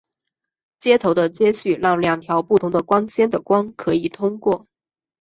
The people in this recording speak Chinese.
接头的接续让两条不同的光纤的光可以通过。